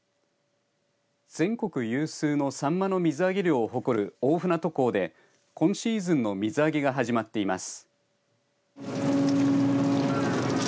全国有数のサンマの水揚げ量を誇る大船渡港で今シーズンの水揚げが始まっています。